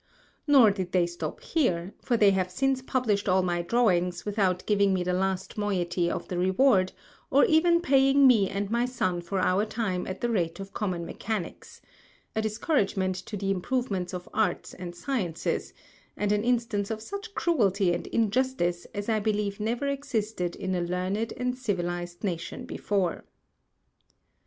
Nor did they stop here, for they have since published all my Drawings without giving me the last Moiety of the Reward, or even paying me and my Son for our Time at the Rate of common Mechanicks; a Discouragement to the Improvement of Arts and Sciences, and an Instance of such Cruelty and Injustice as I believe never existed in a learned and civilized Nation before.